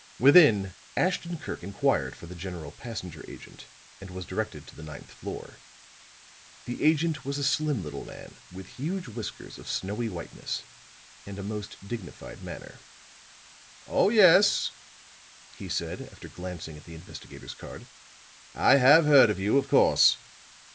Within, Ashton Kirk inquired for the General Passenger Agent and was directed to the ninth floor. The agent was a slim little man with huge whiskers of snowy whiteness, and a most dignified manner. "Oh, yes," he said, after glancing at the investigator's card. "I have heard of you, of course.